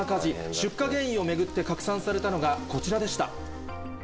出火原因を巡って拡散されたのがこちらでした。